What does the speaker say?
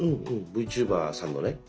ＶＴｕｂｅｒさんのね。